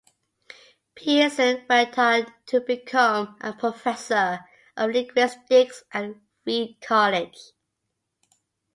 Pearson went on to become a professor of linguistics at Reed College.